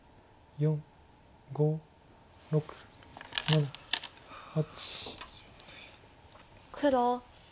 ４５６７８。